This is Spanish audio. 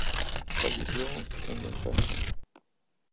Fallecido en la infancia.